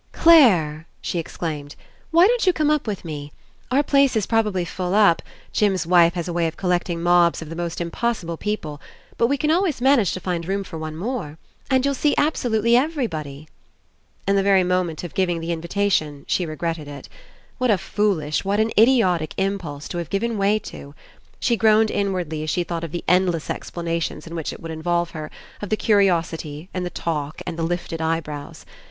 "Clare!" she exclaimed, "why don't you come up with me? Our place Is probably full up — Jim's wife has a way of collecting mobs of the most Impossible people — but we can always manage to find room for one more. And you'll see absolutely everybody." In the very moment of giving the in 34 ENCOUNTER vltatlon she regretted It. What a foolish, what an idiotic Impulse to have given way to ! She groaned Inwardly as she thought of the endless explanations In which it would Involve her, of the curiosity, and the talk, and the lifted eye brows.